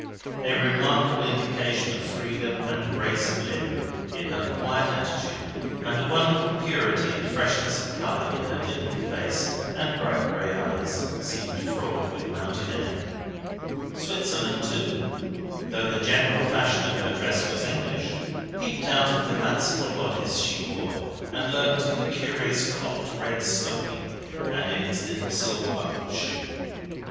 A remarkable indication of freedom and grace of limb, in her quiet attitude, and a wonderful purity and freshness of colour in her dimpled face and bright gray eyes, seemed fraught with mountain air. Switzerland too, though the general fashion of her dress was English, peeped out of the fanciful bodice she wore, and lurked in the curious clocked red stocking, and in its little silver buckled shoe.